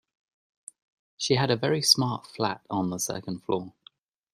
She had a very smart flat on the second floor